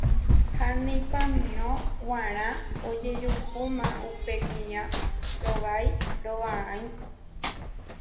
ha neipamírõ g̃uarã ojejuhúma upe kuña roga'i rovái